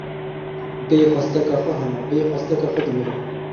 Bêyî xwasteka xwe heme, bêyî xwasteka xwe dimirim.